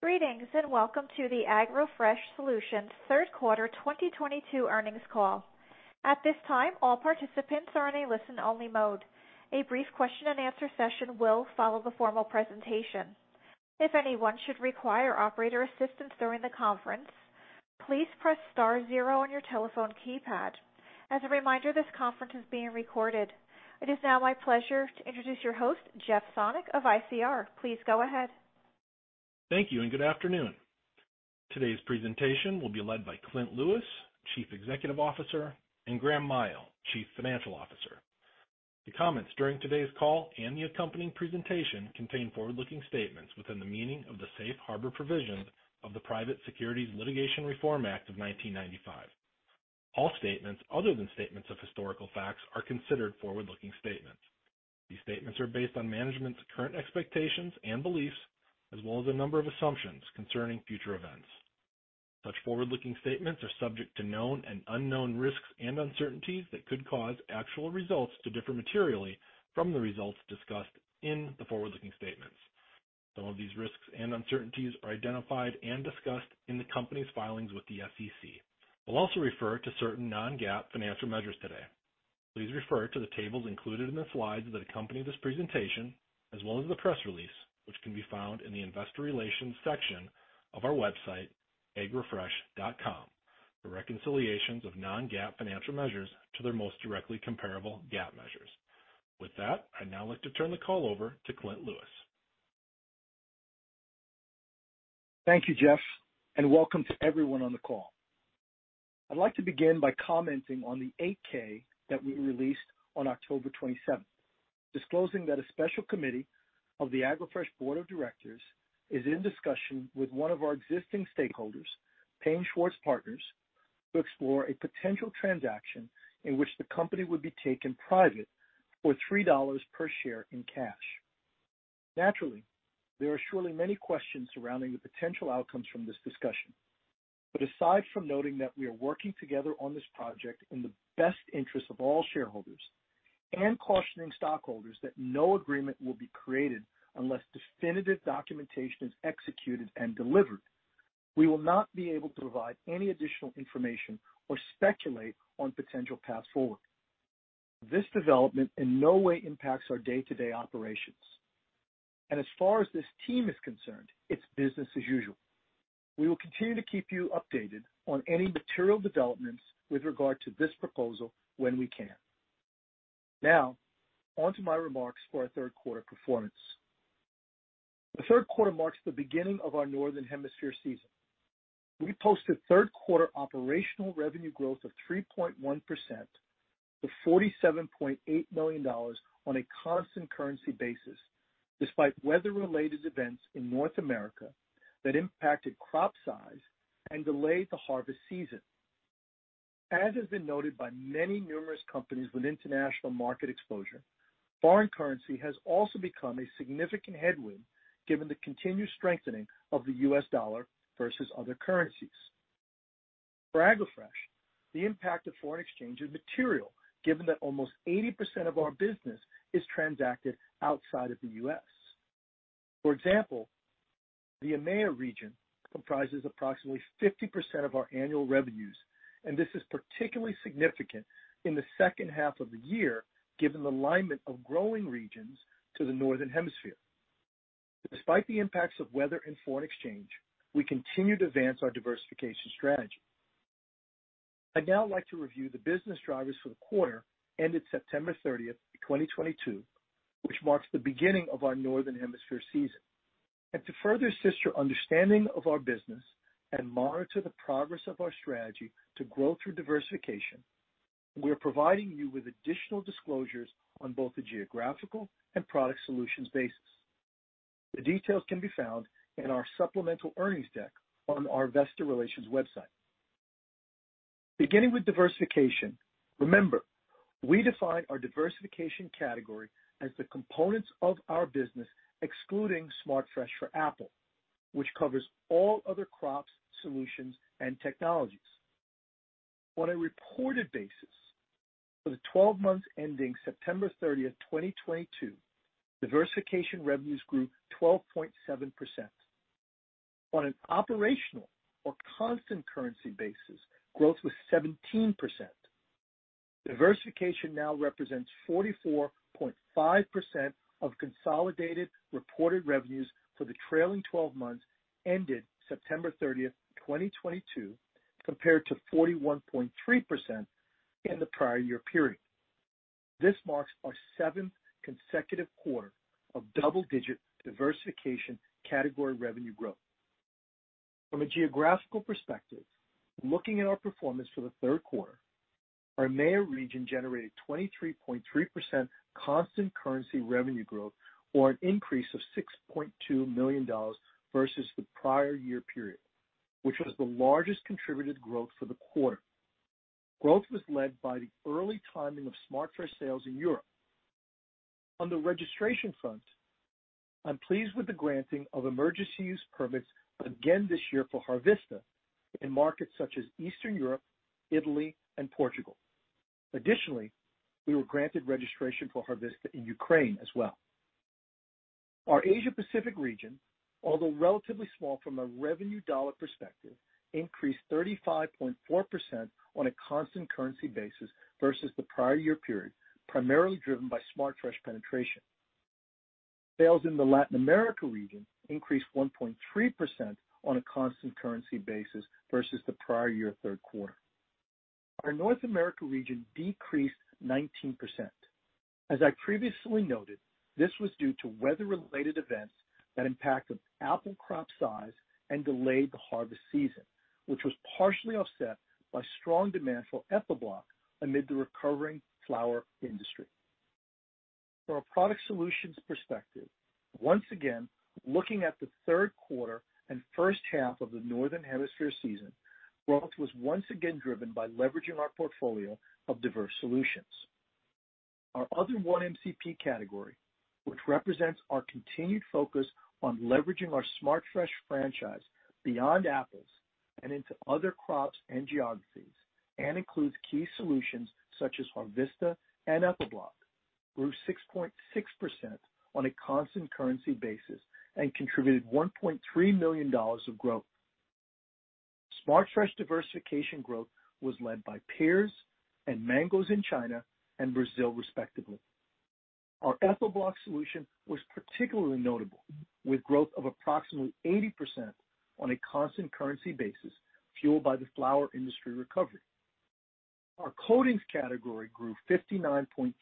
Greetings, and welcome to the AgroFresh Solutions third quarter 2022 earnings call. At this time, all participants are in a listen-only mode. A brief question and answer session will follow the formal presentation. If anyone should require operator assistance during the conference, please press star zero on your telephone keypad. As a reminder, this conference is being recorded. It is now my pleasure to introduce your host, Jeff Sonnek of ICR. Please go ahead. Thank you and good afternoon. Today's presentation will be led by Clint Lewis, Chief Executive Officer, and Graham Miao, Chief Financial Officer. The comments during today's call and the accompanying presentation contain forward-looking statements within the meaning of the Safe Harbor provisions of the Private Securities Litigation Reform Act of 1995. All statements other than statements of historical facts are considered forward-looking statements. These statements are based on management's current expectations and beliefs as well as a number of assumptions concerning future events. Such forward-looking statements are subject to known and unknown risks and uncertainties that could cause actual results to differ materially from the results discussed in the forward-looking statements. Some of these risks and uncertainties are identified and discussed in the company's filings with the SEC. We'll also refer to certain non-GAAP financial measures today. Please refer to the tables included in the slides that accompany this presentation as well as the press release, which can be found in the investor relations section of our website, agrofresh.com, for reconciliations of non-GAAP financial measures to their most directly comparable GAAP measures. With that, I'd now like to turn the call over to Clint Lewis. Thank you, Jeff, and welcome to everyone on the call. I'd like to begin by commenting on the 8-K that we released on October 27, disclosing that a special committee of the AgroFresh Board of Directors is in discussion with one of our existing stakeholders, Paine Schwartz Partners, to explore a potential transaction in which the company would be taken private for $3 per share in cash. Naturally, there are surely many questions surrounding the potential outcomes from this discussion. Aside from noting that we are working together on this project in the best interest of all shareholders and cautioning stockholders that no agreement will be created unless definitive documentation is executed and delivered, we will not be able to provide any additional information or speculate on potential paths forward. This development in no way impacts our day-to-day operations. As far as this team is concerned, it's business as usual. We will continue to keep you updated on any material developments with regard to this proposal when we can. Now onto my remarks for our third quarter performance. The third quarter marks the beginning of our Northern Hemisphere season. We posted third quarter operational revenue growth of 3.1% to $47.8 million on a constant currency basis, despite weather-related events in North America that impacted crop size and delayed the harvest season. As has been noted by many numerous companies with international market exposure, foreign currency has also become a significant headwind given the continued strengthening of the U.S. dollar versus other currencies. For AgroFresh, the impact of foreign exchange is material given that almost 80% of our business is transacted outside of the U.S. For example, the EMEA region comprises approximately 50% of our annual revenues, and this is particularly significant in the second half of the year given the alignment of growing regions to the Northern Hemisphere. Despite the impacts of weather and foreign exchange, we continue to advance our diversification strategy. I'd now like to review the business drivers for the quarter ended September 30, 2022, which marks the beginning of our Northern Hemisphere season. To further assist your understanding of our business and monitor the progress of our strategy to grow through diversification, we are providing you with additional disclosures on both the geographical and product solutions basis. The details can be found in our supplemental earnings deck on our investor relations website. Beginning with diversification, remember, we define our diversification category as the components of our business excluding SmartFresh for Apple, which covers all other crops, solutions, and technologies. On a reported basis, for the twelve months ending September 30, 2022, diversification revenues grew 12.7%. On an operational or constant currency basis, growth was 17%. Diversification now represents 44.5% of consolidated reported revenues for the trailing twelve months ended September 30, 2022, compared to 41.3% in the prior year period. This marks our seventh consecutive quarter of double-digit diversification category revenue growth. From a geographical perspective, looking at our performance for the third quarter, our EMEA region generated 23.3% constant currency revenue growth or an increase of $6.2 million versus the prior year period, which was the largest contributed growth for the quarter. Growth was led by the early timing of SmartFresh sales in Europe. On the registration front, I'm pleased with the granting of emergency use permits again this year for Harvista in markets such as Eastern Europe, Italy, and Portugal. Additionally, we were granted registration for Harvista in Ukraine as well. Our Asia Pacific region, although relatively small from a revenue dollar perspective, increased 35.4% on a constant currency basis versus the prior year period, primarily driven by SmartFresh penetration. Sales in the Latin America region increased 1.3% on a constant currency basis versus the prior year third quarter. Our North America region decreased 19%. As I previously noted, this was due to weather-related events that impacted apple crop size and delayed the harvest season, which was partially offset by strong demand for EthylBloc amid the recovering flower industry. From a product solutions perspective, once again, looking at the third quarter and first half of the Northern Hemisphere season, growth was once again driven by leveraging our portfolio of diverse solutions. Our other 1-MCP category, which represents our continued focus on leveraging our SmartFresh franchise beyond apples and into other crops and geographies, and includes key solutions such as Harvista and EthylBloc, grew 6.6% on a constant currency basis and contributed $1.3 million of growth. SmartFresh diversification growth was led by pears and mangoes in China and Brazil respectively. Our EthylBloc solution was particularly notable, with growth of approximately 80% on a constant currency basis, fueled by the flower industry recovery. Our coatings category grew 59.3%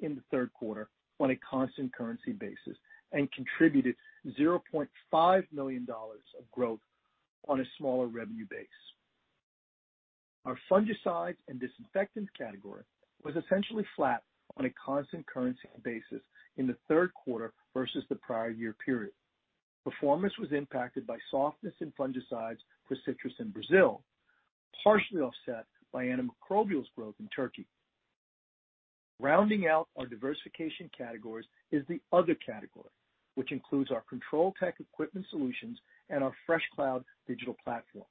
in the third quarter on a constant currency basis and contributed $0.5 million of growth on a smaller revenue base. Our fungicides and disinfectants category was essentially flat on a constant currency basis in the third quarter versus the prior year period. Performance was impacted by softness in fungicides for citrus in Brazil, partially offset by antimicrobials growth in Turkey. Rounding out our diversification categories is the other category, which includes our Control-Tec equipment solutions and our FreshCloud digital platform.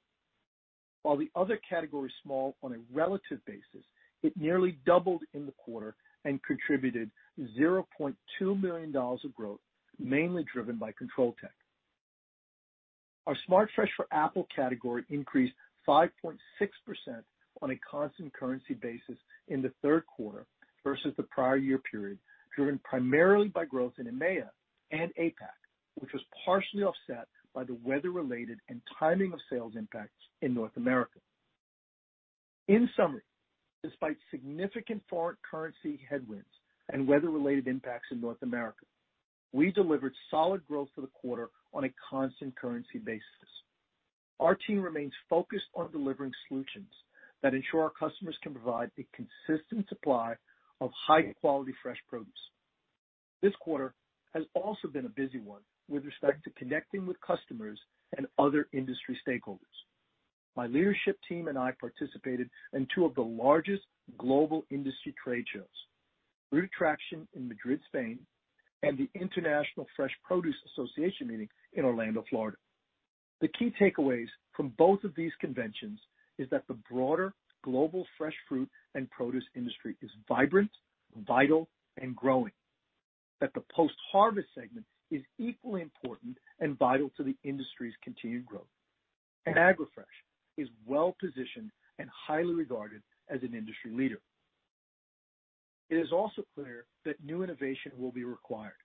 While the other category is small on a relative basis, it nearly doubled in the quarter and contributed $0.2 million of growth, mainly driven by Control-Tec. Our SmartFresh for Apple category increased 5.6% on a constant currency basis in the third quarter versus the prior year period, driven primarily by growth in EMEA and APAC, which was partially offset by the weather-related and timing of sales impacts in North America. In summary, despite significant foreign currency headwinds and weather-related impacts in North America, we delivered solid growth for the quarter on a constant currency basis. Our team remains focused on delivering solutions that ensure our customers can provide a consistent supply of high-quality fresh produce. This quarter has also been a busy one with respect to connecting with customers and other industry stakeholders. My leadership team and I participated in two of the largest global industry trade shows, Fruit Attraction in Madrid, Spain, and the International Fresh Produce Association meeting in Orlando, Florida. The key takeaways from both of these conventions is that the broader global fresh fruit and produce industry is vibrant, vital, and growing. That the post-harvest segment is equally important and vital to the industry's continued growth. AgroFresh is well-positioned and highly regarded as an industry leader. It is also clear that new innovation will be required.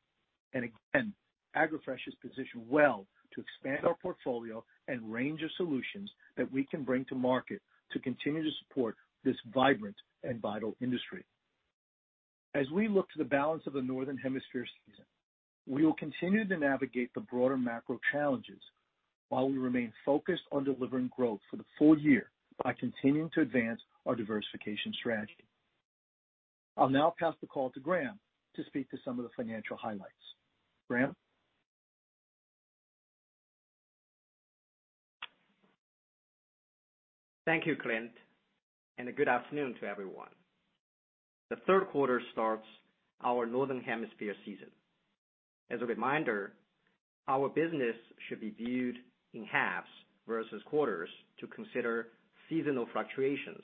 Again, AgroFresh is positioned well to expand our portfolio and range of solutions that we can bring to market to continue to support this vibrant and vital industry. As we look to the balance of the Northern Hemisphere season, we will continue to navigate the broader macro challenges while we remain focused on delivering growth for the full year by continuing to advance our diversification strategy. I'll now pass the call to Graham to speak to some of the financial highlights. Graham? Thank you, Clint, and a good afternoon to everyone. The third quarter starts our Northern Hemisphere season. As a reminder, our business should be viewed in halves versus quarters to consider seasonal fluctuations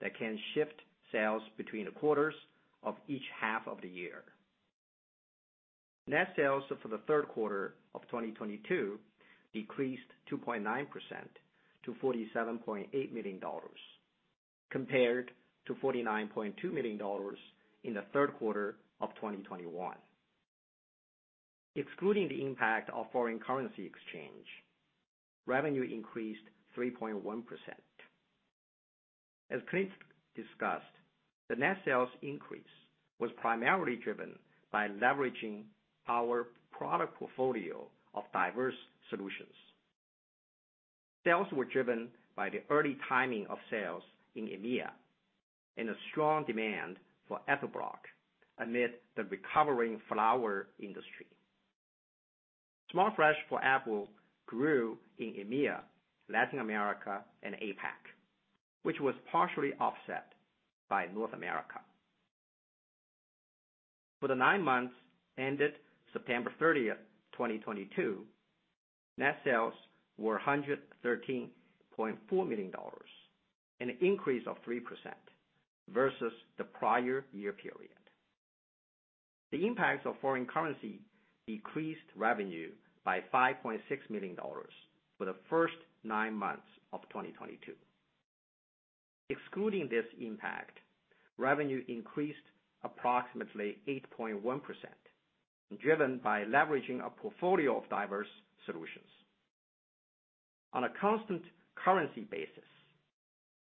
that can shift sales between the quarters of each half of the year. Net sales for the third quarter of 2022 decreased 2.9% to $47.8 million, compared to $49.2 million in the third quarter of 2021. Excluding the impact of foreign currency exchange, revenue increased 3.1%. As Clint discussed, the net sales increase was primarily driven by leveraging our product portfolio of diverse solutions. Sales were driven by the early timing of sales in EMEA and a strong demand for EthylBloc amid the recovering flower industry. SmartFresh for Apple grew in EMEA, Latin America, and APAC, which was partially offset by North America. For the nine months ended September 30, 2022, net sales were $113.4 million, an increase of 3% versus the prior year period. The impacts of foreign currency decreased revenue by $5.6 million for the first nine months of 2022. Excluding this impact, revenue increased approximately 8.1%, driven by leveraging a portfolio of diverse solutions. On a constant currency basis,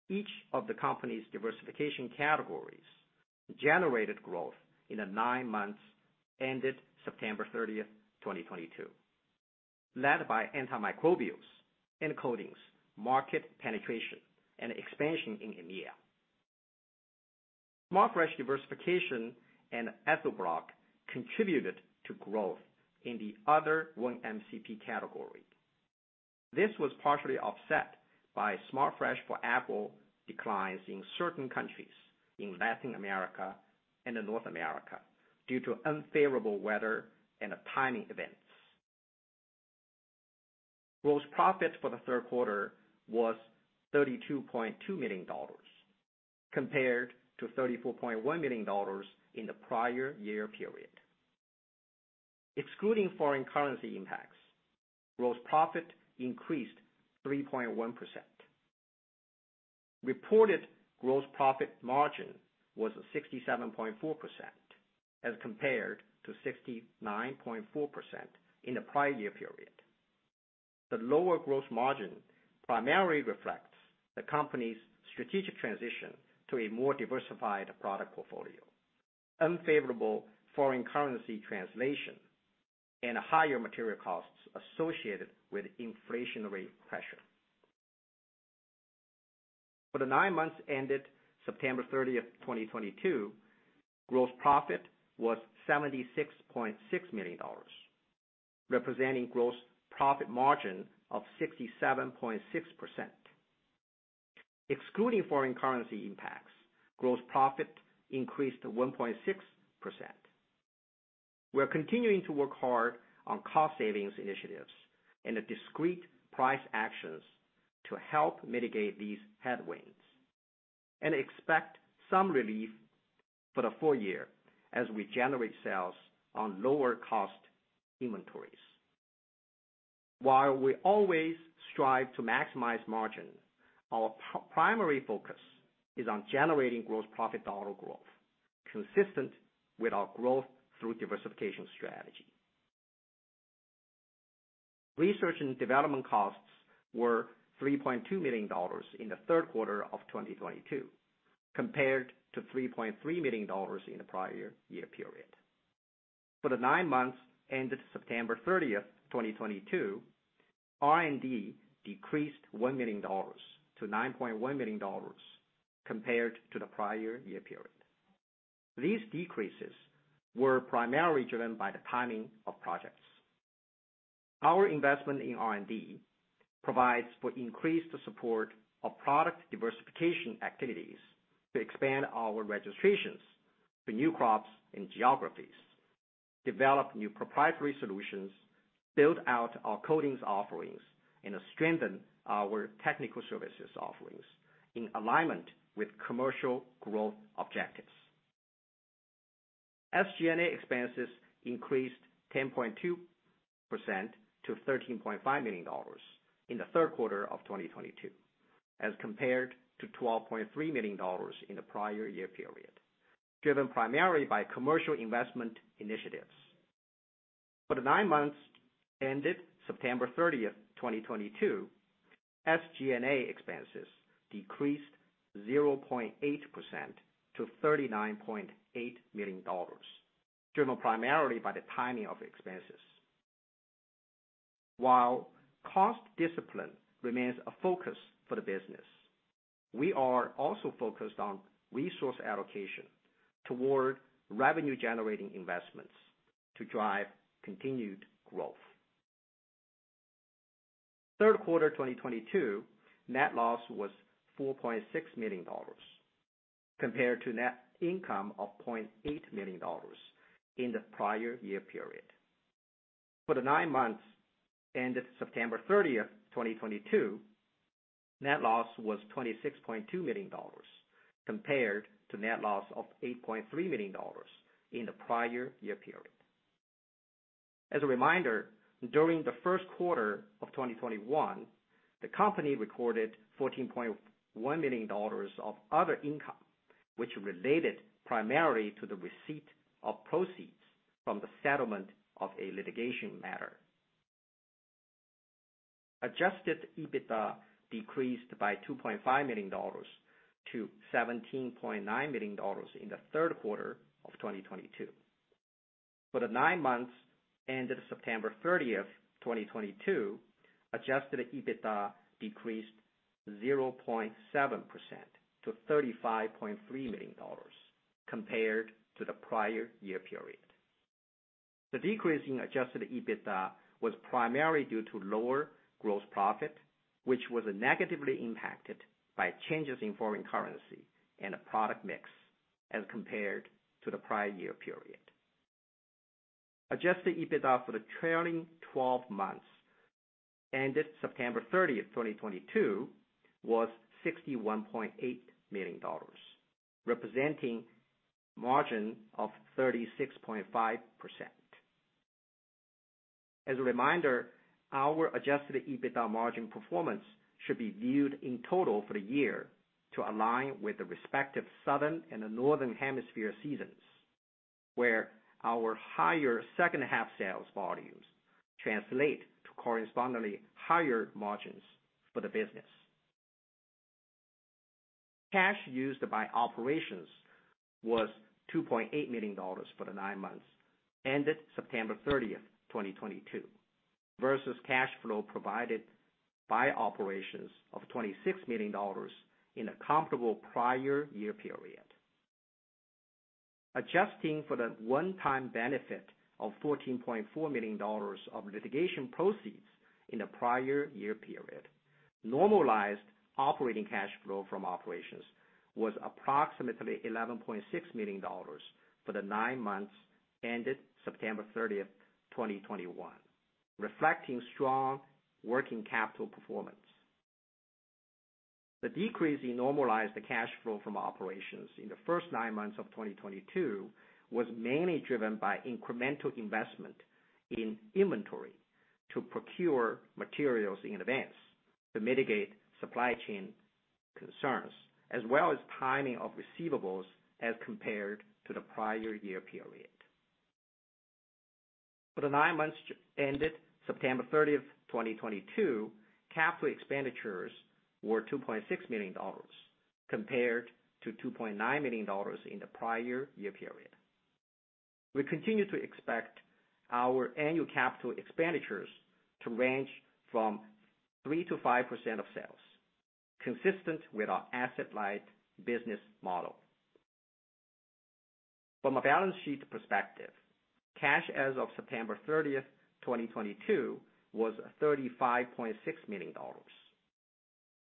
each of the company's diversification categories generated growth in the nine months ended September 30, 2022, led by antimicrobials and coatings, market penetration and expansion in EMEA. SmartFresh diversification and EthylBloc contributed to growth in the other 1-MCP category. This was partially offset by SmartFresh for Apple declines in certain countries in Latin America and in North America due to unfavorable weather and timing events. Gross profit for the third quarter was $32.2 million compared to $34.1 million in the prior year period. Excluding foreign currency impacts, gross profit increased 3.1%. Reported gross profit margin was 67.4% as compared to 69.4% in the prior year period. The lower gross margin primarily reflects the company's strategic transition to a more diversified product portfolio, unfavorable foreign currency translation, and higher material costs associated with inflationary pressure. For the nine months ended September 30, 2022, gross profit was $76.6 million, representing gross profit margin of 67.6%. Excluding foreign currency impacts, gross profit increased to 1.6%. We are continuing to work hard on cost savings initiatives and the discrete price actions to help mitigate these headwinds and expect some relief for the full year as we generate sales on lower cost inventories. While we always strive to maximize margin, our primary focus is on generating gross profit dollar growth consistent with our growth through diversification strategy. Research and development costs were $3.2 million in the third quarter of 2022, compared to $3.3 million in the prior year period. For the nine months ended September 30, 2022, R&D decreased $1 million to $9.1 million compared to the prior year period. These decreases were primarily driven by the timing of projects. Our investment in R&D provides for increased support of product diversification activities to expand our registrations for new crops and geographies, develop new proprietary solutions, build out our coatings offerings, and strengthen our technical services offerings in alignment with commercial growth objectives. SG&A expenses increased 10.2% to $13.5 million in the third quarter of 2022, as compared to $12.3 million in the prior year period, driven primarily by commercial investment initiatives. For the nine months ended September 30, 2022, SG&A expenses decreased 0.8% to $39.8 million, driven primarily by the timing of expenses. While cost discipline remains a focus for the business, we are also focused on resource allocation toward revenue-generating investments to drive continued growth. Third quarter 2022 net loss was $4.6 million compared to net income of $0.8 million in the prior year period. For the nine months ended September 30, 2022, net loss was $26.2 million compared to net loss of $8.3 million in the prior year period. As a reminder, during the first quarter of 2021, the company recorded $14.1 million of other income which related primarily to the receipt of proceeds from the settlement of a litigation matter. Adjusted EBITDA decreased by $2.5 million to $17.9 million in the third quarter of 2022. For the nine months ended September 30, 2022, Adjusted EBITDA decreased 0.7% to $35.3 million compared to the prior year period. The decrease in Adjusted EBITDA was primarily due to lower gross profit, which was negatively impacted by changes in foreign currency and a product mix as compared to the prior year period. Adjusted EBITDA for the trailing twelve months ended September 30, 2022 was $61.8 million, representing margin of 36.5%. As a reminder, our Adjusted EBITDA margin performance should be viewed in total for the year to align with the respective Southern and the Northern Hemisphere seasons, where our higher second half sales volumes translate to correspondingly higher margins for the business. Cash used by operations was $2.8 million for the nine months ended September 30th, 2022, versus cash flow provided by operations of $26 million in a comparable prior year period. Adjusting for the one-time benefit of $14.4 million of litigation proceeds in the prior year period, normalized operating cash flow from operations was approximately $11.6 million for the nine months ended September 30th, 2021, reflecting strong working capital performance. The decrease in normalized cash flow from operations in the first nine months of 2022 was mainly driven by incremental investment in inventory to procure materials in advance to mitigate supply chain concerns, as well as timing of receivables as compared to the prior year period. For the nine months ended September 30th, 2022, capital expenditures were $2.6 million compared to $2.9 million in the prior year period. We continue to expect our annual capital expenditures to range from 3%-5% of sales, consistent with our asset-light business model. From a balance sheet perspective, cash as of September 30, 2022 was $35.6 million.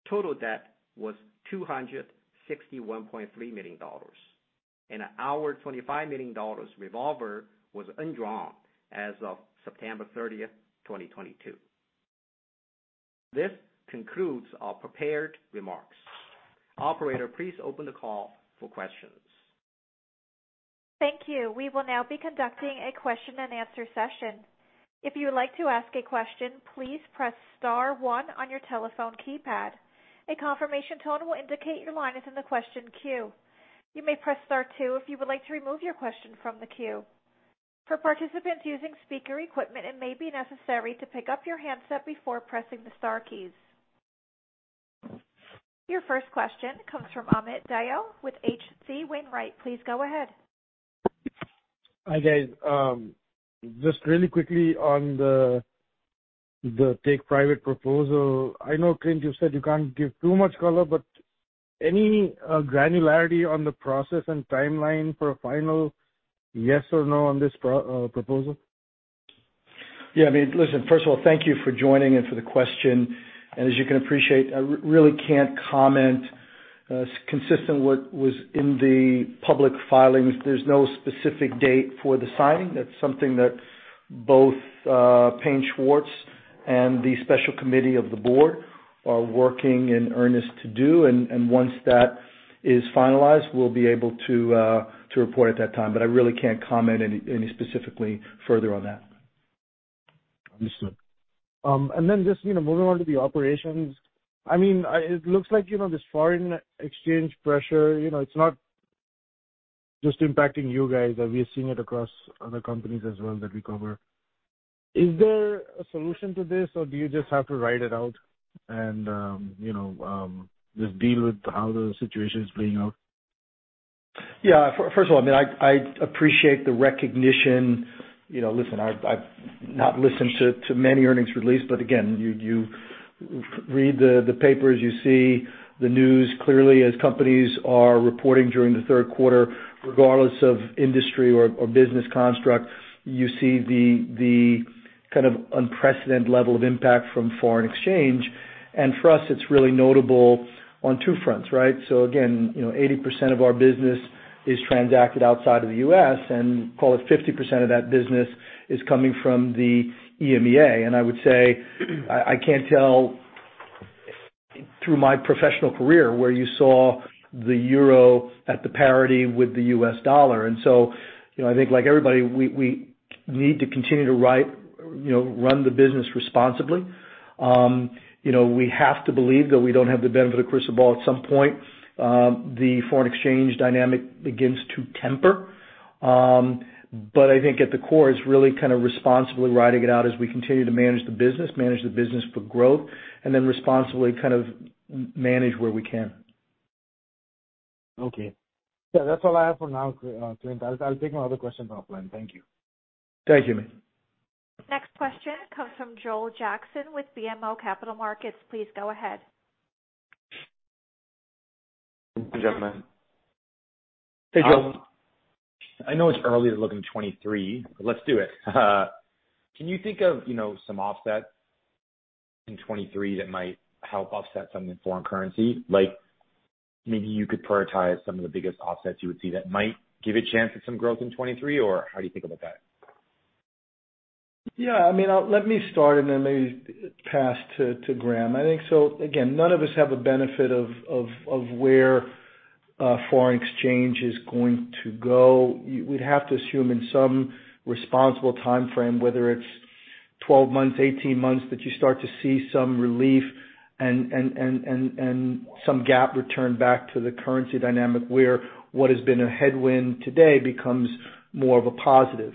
Total debt was $261.3 million, and our $25 million revolver was undrawn as of September 30th, 2022. This concludes our prepared remarks. Operator, please open the call for questions. Thank you. We will now be conducting a question and answer session. If you would like to ask a question, please press star one on your telephone keypad. A confirmation tone will indicate your line is in the question queue. You may press star two if you would like to remove your question from the queue. For participants using speaker equipment, it may be necessary to pick up your handset before pressing the star keys. Your first question comes from Amit Dayal with H.C. Wainwright. Please go ahead. Hi, guys. Just really quickly on the take-private proposal. I know, Clint, you said you can't give too much color, but any granularity on the process and timeline for a final yes or no on this proposal? Yeah, I mean, listen, first of all, thank you for joining and for the question. As you can appreciate, I really can't comment. Consistent with what was in the public filings, there's no specific date for the signing. That's something that both Paine Schwartz and the special committee of the board are working in earnest to do. Once that is finalized, we'll be able to to report at that time. But I really can't comment any specifically further on that. Understood. Just, you know, moving on to the operations. I mean, it looks like, you know, this foreign exchange pressure, you know, it's not just impacting you guys. We are seeing it across other companies as well that we cover. Is there a solution to this, or do you just have to ride it out and, you know, just deal with how the situation is playing out? Yeah. First of all, I mean, I appreciate the recognition. You know, listen, I've not listened to many earnings releases, but again, you read the papers, you see the news clearly as companies are reporting during the third quarter, regardless of industry or business construct. You see the kind of unprecedented level of impact from foreign exchange. For us, it's really notable on two fronts, right? You know, 80% of our business is transacted outside of the U.S., and call it 50% of that business is coming from the EMEA. I would say, I can't tell through my professional career where you saw the euro at parity with the U.S. dollar. You know, I think like everybody, we need to continue to run the business responsibly. You know, we have to believe that we don't have the benefit of crystal ball at some point. The foreign exchange dynamic begins to temper. I think at the core, it's really kind of responsibly riding it out as we continue to manage the business for growth and then responsibly kind of manage where we can. Okay. Yeah, that's all I have for now, Clint. I'll take my other questions offline. Thank you. Thank you. Next question comes from Joel Jackson with BMO Capital Markets. Please go ahead. Good job, man. Hey Joel. I know it's early to look into 2023, but let's do it. Can you think of, you know, some offsets in 2023 that might help offset some foreign currency? Like maybe you could prioritize some of the biggest offsets you would see that might give a chance at some growth in 2023, or how do you think about that? Yeah, I mean, let me start and then maybe pass to Graham. I think so again, none of us have the benefit of where foreign exchange is going to go. We'd have to assume in some responsible timeframe, whether it's 12 months, 18 months, that you start to see some relief and some parity return back to the currency dynamic where what has been a headwind today becomes more of a positive.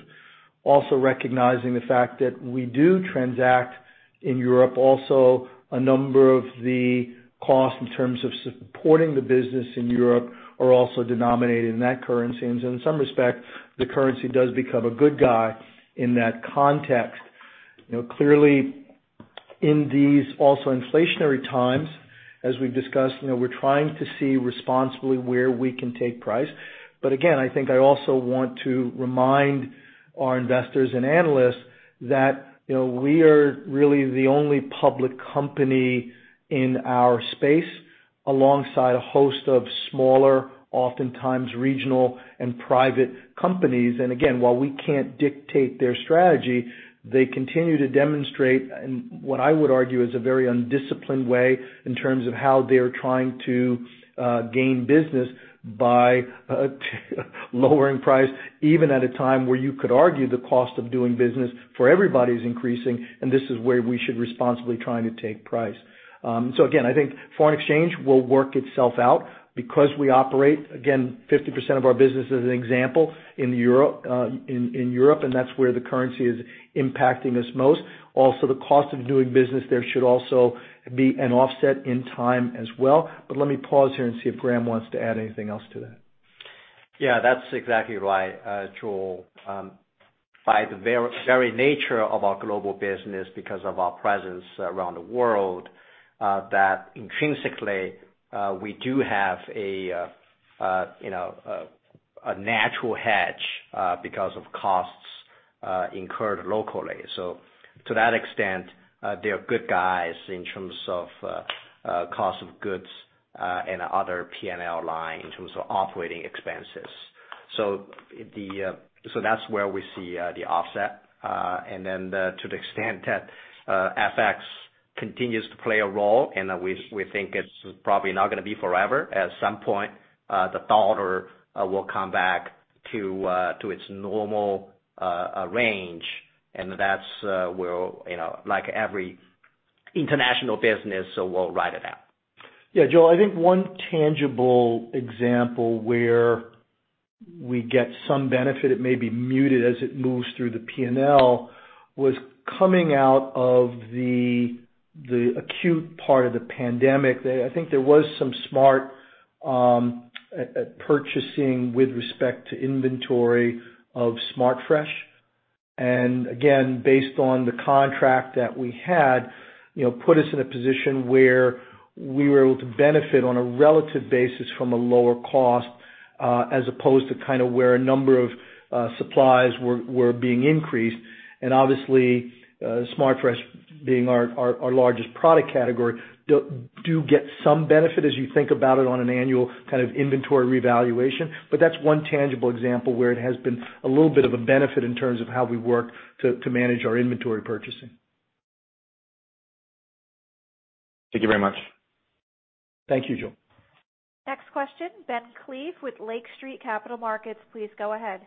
Also recognizing the fact that we do transact in Europe. Also, a number of the costs in terms of supporting the business in Europe are also denominated in that currency. In some respect, the currency does become a good guy in that context. You know, clearly in these also inflationary times, as we've discussed, you know, we're trying to see responsibly where we can take price. Again, I think I also want to remind our investors and analysts that, you know, we are really the only public company in our space alongside a host of smaller, oftentimes regional and private companies. Again, while we can't dictate their strategy, they continue to demonstrate and what I would argue is a very undisciplined way in terms of how they're trying to gain business by lowering price, even at a time where you could argue the cost of doing business for everybody is increasing, and this is where we should responsibly trying to take price. Again, I think foreign exchange will work itself out because we operate again 50% of our business as an example in Europe, and that's where the currency is impacting us most. Also, the cost of doing business there should also be an offset in time as well. Let me pause here and see if Graham wants to add anything else to that. Yeah, that's exactly right, Joel. By the very nature of our global business because of our presence around the world, that intrinsically we do have, you know, a natural hedge because of costs incurred locally. To that extent, they are good guys in terms of cost of goods and other P&L line in terms of operating expenses. That's where we see the offset. To the extent that FX continues to play a role and that we think it's probably not gonna be forever, at some point the dollar will come back to its normal range. That's where, you know, like every international business, we'll ride it out. Yeah, Joel, I think one tangible example where we get some benefit, it may be muted as it moves through the P&L, was coming out of the acute part of the pandemic. I think there was some smart purchasing with respect to inventory of SmartFresh. Again, based on the contract that we had, you know, put us in a position where we were able to benefit on a relative basis from a lower cost, as opposed to kind of where a number of supplies were being increased. Obviously, SmartFresh being our largest product category do get some benefit as you think about it on an annual kind of inventory revaluation. That's one tangible example where it has been a little bit of a benefit in terms of how we work to manage our inventory purchasing. Thank you very much. Thank you, Joel. Next question, Ben Klieve with Lake Street Capital Markets, please go ahead.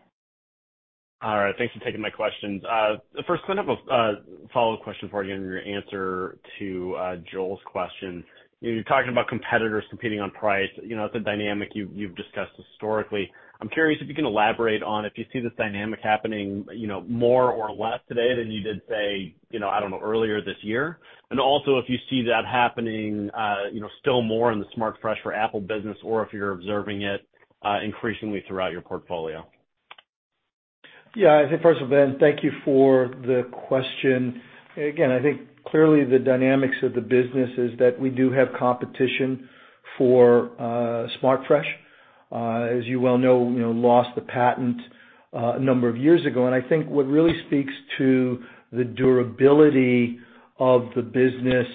All right. Thanks for taking my questions. The first one up, a follow-up question for you and your answer to Joel's question. You know, you're talking about competitors competing on price. You know, it's a dynamic you've discussed historically. I'm curious if you can elaborate on if you see this dynamic happening, you know, more or less today than you did, say, you know, I don't know, earlier this year. Also if you see that happening, you know, still more in the SmartFresh for Apple business or if you're observing it, increasingly throughout your portfolio. I think first off, Ben, thank you for the question. Again, I think clearly the dynamics of the business is that we do have competition for SmartFresh. As you well know, you know, lost the patent a number of years ago. I think what really speaks to the durability of the business,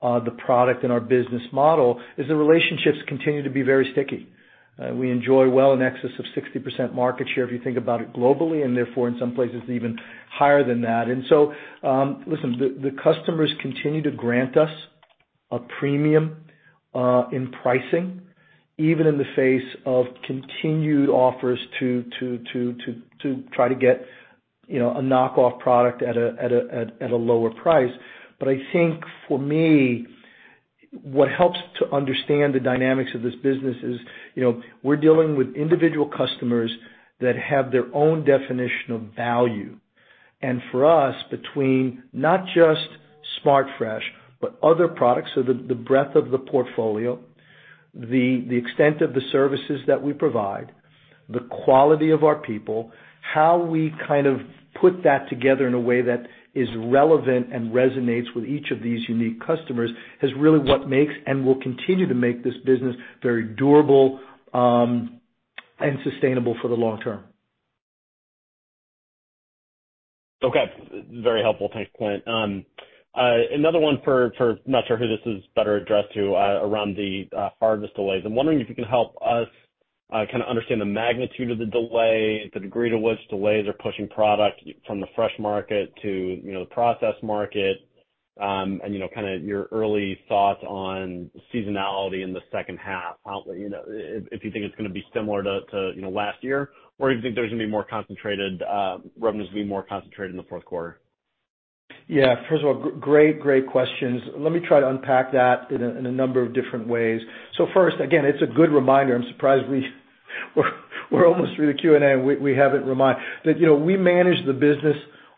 the product and our business model is the relationships continue to be very sticky. We enjoy well in excess of 60% market share, if you think about it globally, and therefore in some places even higher than that. Listen, the customers continue to grant us a premium in pricing, even in the face of continued offers to try to get, you know, a knockoff product at a lower price. I think for me, what helps to understand the dynamics of this business is, you know, we're dealing with individual customers that have their own definition of value. For us, between not just SmartFresh, but other products. The breadth of the portfolio, the extent of the services that we provide, the quality of our people, how we kind of put that together in a way that is relevant and resonates with each of these unique customers is really what makes and will continue to make this business very durable, and sustainable for the long term. Okay. Very helpful. Thanks, Clint. Another one, I'm not sure who this is better addressed to, around the harvest delays. I'm wondering if you can help us kind of understand the magnitude of the delay, the degree to which delays are pushing product from the fresh market to, you know, the processed market. You know, kind of your early thoughts on seasonality in the second half. How you know if you think it's gonna be similar to you know last year or do you think there's gonna be more concentrated revenues in the fourth quarter? Yeah. First of all, great questions. Let me try to unpack that in a number of different ways. First, again, it's a good reminder. I'm surprised we're almost through the Q&A, and we haven't reminded that, you know, we manage the business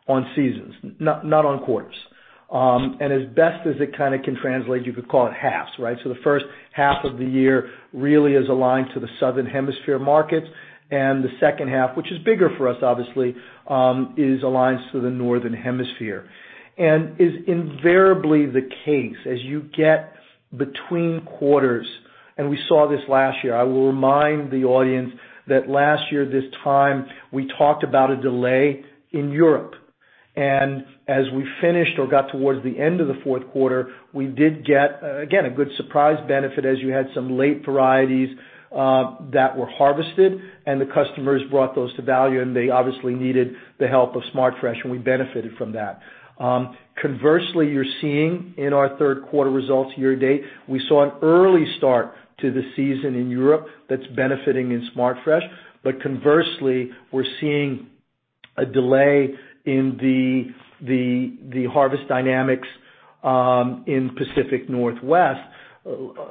on seasons, not on quarters. And as best as it kinda can translate, you could call it halves, right? The first half of the year really is aligned to the Southern Hemisphere markets, and the second half, which is bigger for us, obviously, is aligned to the Northern Hemisphere. As is invariably the case as you get between quarters, and we saw this last year. I will remind the audience that last year, this time, we talked about a delay in Europe. As we finished or got towards the end of the fourth quarter, we did get again a good surprise benefit as you had some late varieties that were harvested and the customers brought those to market, and they obviously needed the help of SmartFresh, and we benefited from that. Conversely, you're seeing in our third quarter results year to date, we saw an early start to the season in Europe that's benefiting SmartFresh. Conversely, we're seeing a delay in the harvest dynamics in Pacific Northwest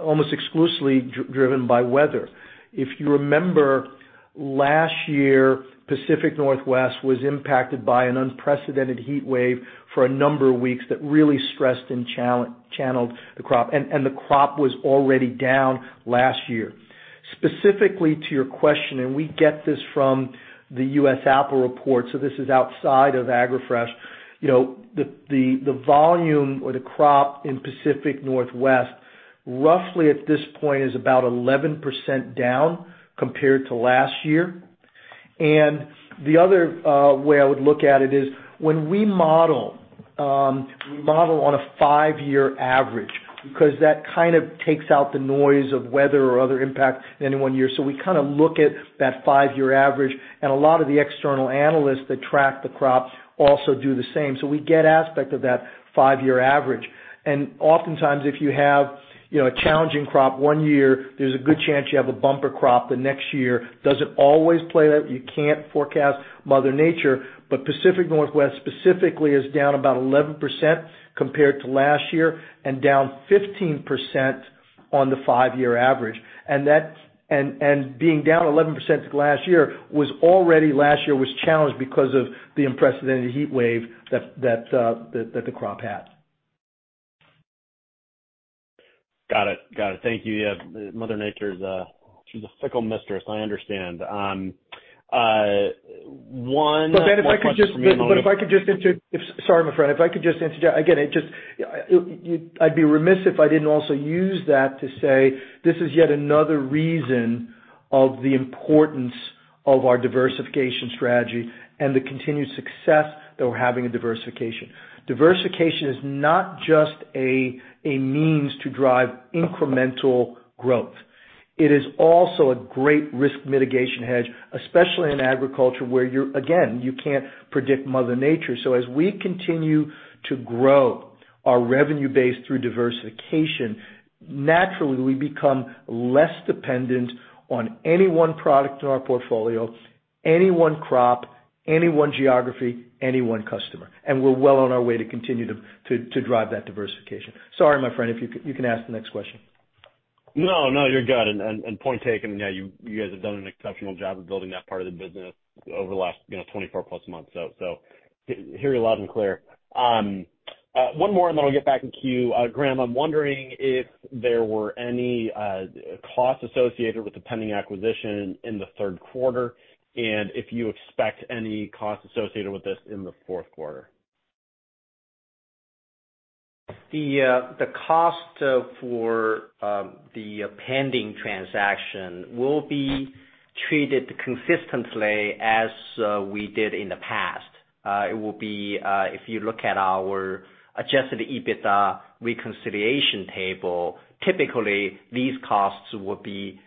almost exclusively driven by weather. If you remember last year, Pacific Northwest was impacted by an unprecedented heat wave for a number of weeks that really stressed and channeled the crop. The crop was already down last year. Specifically, to your question, and we get this from the USApple Report, so this is outside of AgroFresh. You know, the volume or the crop in Pacific Northwest, roughly at this point is about 11% down compared to last year. The other way I would look at it is when we model on a five-year average because that kind of takes out the noise of weather or other impact in any one year. We kinda look at that five-year average, and a lot of the external analysts that track the crop also do the same. We get a sense of that five-year average. Oftentimes, if you have, you know, a challenging crop one year, there's a good chance you have a bumper crop the next year. Doesn't always play out. You can't forecast Mother Nature, but Pacific Northwest specifically is down about 11% compared to last year and down 15% on the five-year average. That being down 11% from last year was already challenged because of the unprecedented heat wave that the crop had. Got it. Thank you. Yeah. Mother Nature is, she's a fickle mistress, I understand. One more question for me. Ben, if I could just interject. Sorry, my friend. Again, I'd be remiss if I didn't also use that to say this is yet another reason of the importance of our diversification strategy and the continued success that we're having in diversification. Diversification is not just a means to drive incremental growth. It is also a great risk mitigation hedge, especially in agriculture where you can't predict Mother Nature. As we continue to grow our revenue base through diversification, naturally, we become less dependent on any one product in our portfolio, any one crop, any one geography, any one customer. We're well on our way to continue to drive that diversification. Sorry, my friend. If you can ask the next question. No, you're good. Point taken. Yeah, you guys have done an exceptional job of building that part of the business over the last, you know, 24+ months. Hear you loud and clear. One more, and then we'll get back in queue. Graham, I'm wondering if there were any costs associated with the pending acquisition in the third quarter, and if you expect any costs associated with this in the fourth quarter. The cost for the pending transaction will be treated consistently as we did in the past. It will be, if you look at our Adjusted EBITDA reconciliation table, typically these costs will be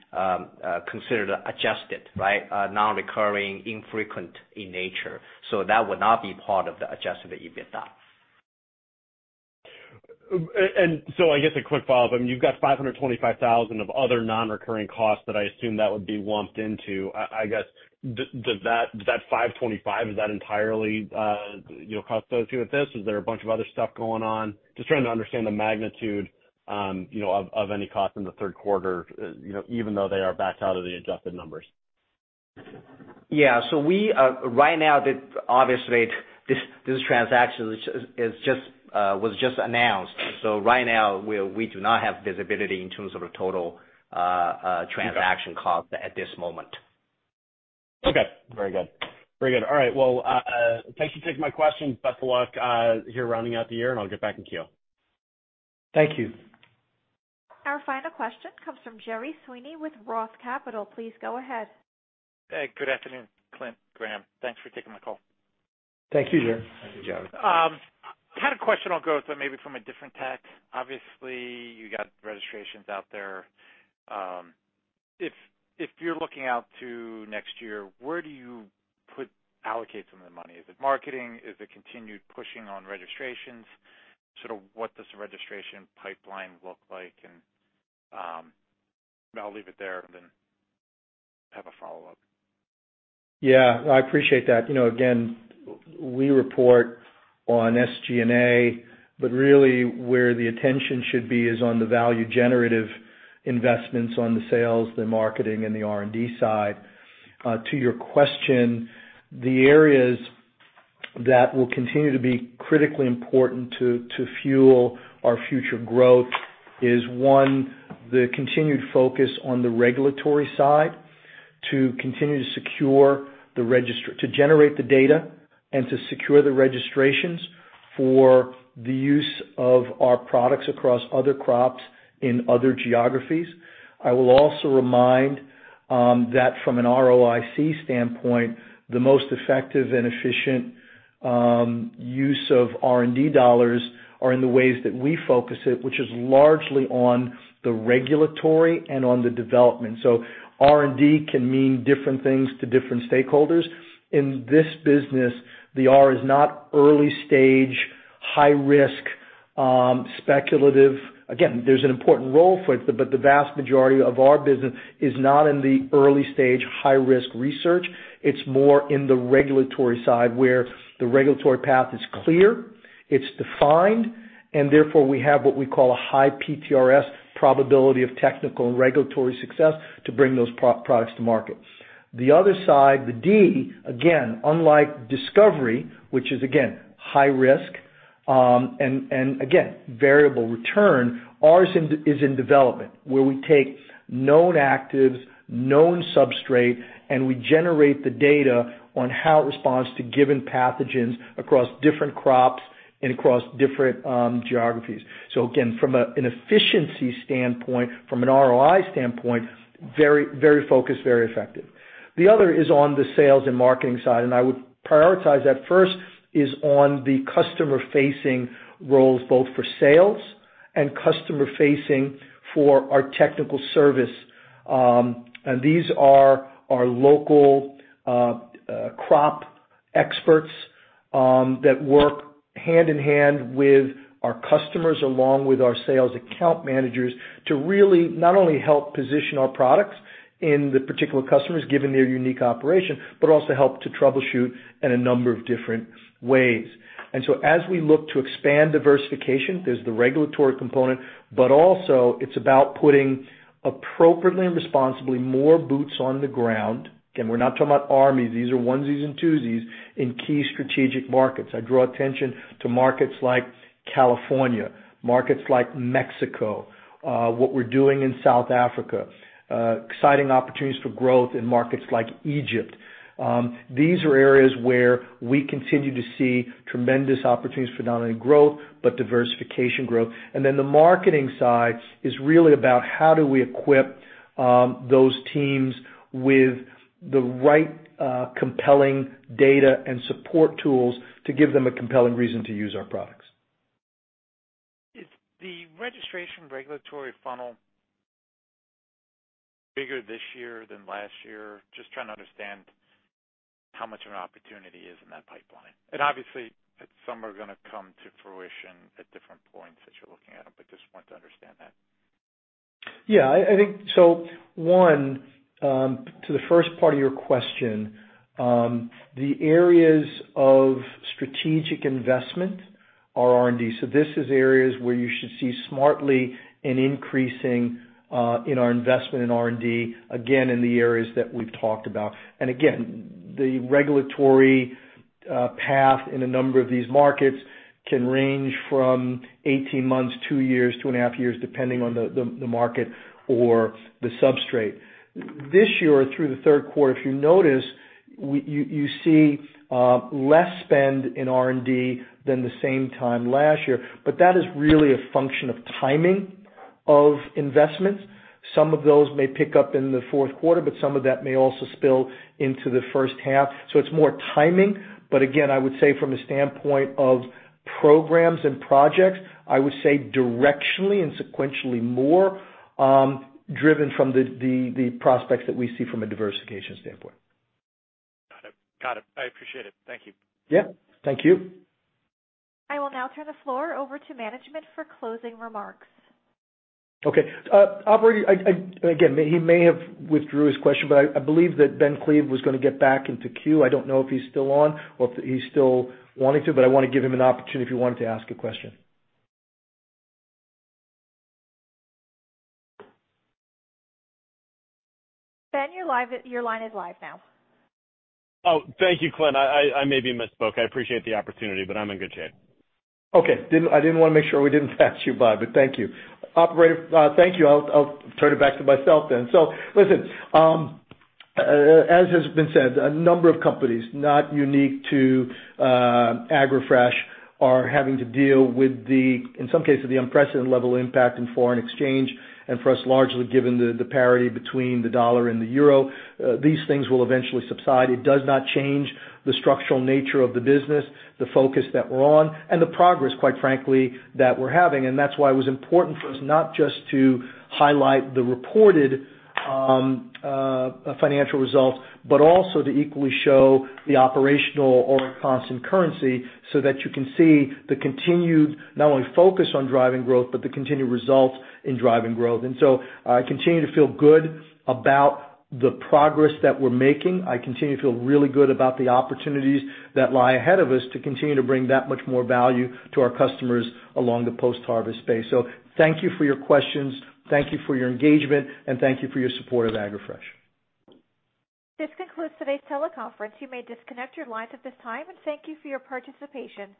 considered adjusted, right? Non-recurring, infrequent in nature. That would not be part of the Adjusted EBITDA. I guess a quick follow-up. I mean, you've got $525,000 of other non-recurring costs that I assume that would be lumped into. I guess does that $525,000 is that entirely, you know, associated with this? Is there a bunch of other stuff going on? Just trying to understand the magnitude, you know, of any cost in the third quarter, you know, even though they are backed out of the adjusted numbers. Yeah. Right now, obviously this transaction was just announced. Right now we do not have visibility in terms of the total transaction cost at this moment. Okay. Very good. Very good. All right. Well, thanks for taking my questions. Best of luck here rounding out the year, and I'll get back in queue. Thank you. Our final question comes from Gerard Sweeney with Roth Capital Partners. Please go ahead. Hey, good afternoon, Clint, Graham. Thanks for taking my call. Thank you, Gerry. Kind of question I'll go with, but maybe from a different tack. Obviously, you got registrations out there. If you're looking out to next year, where do you allocate some of the money? Is it marketing? Is it continued pushing on registrations? Sort of what does the registration pipeline look like? I'll leave it there and then have a follow-up. Yeah, I appreciate that. You know, again, we report on SG&A, but really where the attention should be is on the value-generative investments on the sales, the marketing, and the R&D side. To your question, the areas that will continue to be critically important to fuel our future growth is, one, the continued focus on the regulatory side to generate the data and to secure the registrations for the use of our products across other crops in other geographies. I will also remind that from an ROIC standpoint, the most effective and efficient use of R&D dollars are in the ways that we focus it, which is largely on the regulatory and on the development. R&D can mean different things to different stakeholders. In this business, the R is not early stage, high risk, speculative. Again, there's an important role for it, but the vast majority of our business is not in the early stage high-risk research. It's more in the regulatory side, where the regulatory path is clear, it's defined, and therefore we have what we call a high PTRS, probability of technical and regulatory success, to bring those products to market. The other side, the D, again, unlike discovery, which is, again, high risk, and again, variable return, ours is in development, where we take known actives, known substrate, and we generate the data on how it responds to given pathogens across different crops and across different geographies. Again, from an efficiency standpoint, from an ROI standpoint, very, very focused, very effective. The other is on the sales and marketing side. I would prioritize that first is on the customer-facing roles, both for sales and customer-facing for our technical service. These are our local crop experts that work hand in hand with our customers along with our sales account managers to really not only help position our products in the particular customers given their unique operation, but also help to troubleshoot in a number of different ways. As we look to expand diversification, there's the regulatory component, but also it's about putting appropriately and responsibly more boots on the ground. Again, we're not talking about armies. These are onesies and twosies in key strategic markets. I draw attention to markets like California, markets like Mexico, what we're doing in South Africa, exciting opportunities for growth in markets like Egypt. These are areas where we continue to see tremendous opportunities for not only growth, but diversification growth. The marketing side is really about how do we equip those teams with the right compelling data and support tools to give them a compelling reason to use our products. Is the registration regulatory funnel bigger this year than last year? Just trying to understand how much of an opportunity is in that pipeline. Obviously, some are gonna come to fruition at different points that you're looking at them, but just want to understand that. Yeah, I think so. One to the first part of your question, the areas of strategic investment are R&D. This is areas where you should see smartly an increasing in our investment in R&D, again, in the areas that we've talked about. Again, the regulatory path in a number of these markets can range from 18 months, 2 years, 2.5 years, depending on the market or the substrate. This year or through the third quarter, if you notice, you see less spend in R&D than the same time last year. That is really a function of timing of investments. Some of those may pick up in the fourth quarter, but some of that may also spill into the first half. It's more timing, but again, I would say from a standpoint of programs and projects, I would say directionally and sequentially more, driven from the prospects that we see from a diversification standpoint. Got it. I appreciate it. Thank you. Yeah, thank you. I will now turn the floor over to management for closing remarks. Okay, operator, again, he may have withdrew his question, but I believe that Ben Klieve was gonna get back into queue. I don't know if he's still on or if he's still wanting to, but I wanna give him an opportunity if he wanted to ask a question. Ben, you're live. Your line is live now. Oh, thank you, Clint. I maybe misspoke. I appreciate the opportunity, but I'm in good shape. Okay. I didn't want to make sure we didn't pass you by, but thank you. Operator, thank you. I'll turn it back to myself then. Listen, as has been said, a number of companies, not unique to AgroFresh, are having to deal with the, in some cases, the unprecedented level of impact in foreign exchange. For us, largely given the parity between the dollar and the euro, these things will eventually subside. It does not change the structural nature of the business, the focus that we're on, and the progress, quite frankly, that we're having. That's why it was important for us not just to highlight the reported, financial results, but also to equally show the operational or constant currency so that you can see the continued not only focus on driving growth, but the continued results in driving growth. I continue to feel good about the progress that we're making. I continue to feel really good about the opportunities that lie ahead of us to continue to bring that much more value to our customers along the post-harvest space. Thank you for your questions, thank you for your engagement, and thank you for your support of AgroFresh. This concludes today's teleconference. You may disconnect your lines at this time, and thank you for your participation.